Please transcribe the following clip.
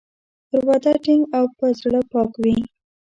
پر وعده ټینګ او په زړه پاک وي.